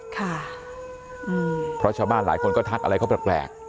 ค่ะอืมเพราะชาวบ้านหลายคนก็ทักอะไรก็แปลกแปลก